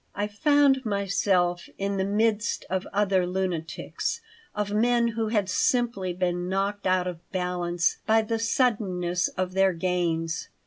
I found myself in the midst of other lunatics, of men who had simply been knocked out of balance by the suddenness of their gains.